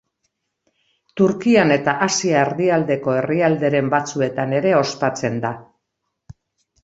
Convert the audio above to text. Turkian eta Asia Erdialdeko herrialderen batzuetan ere ospatzen da.